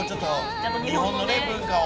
日本のね文化を。